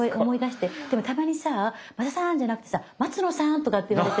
でもたまにさ「増田さーん」じゃなくてさ「松野さーん」とかって言われて。